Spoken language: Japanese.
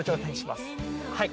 はい。